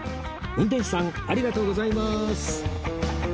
運転士さんありがとうございます